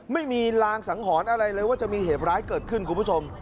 ไม่มีรางสังหรณ์อะไรเลยว่าจะมีเหตุร้ายเกิดขึ้นคุณผู้ชม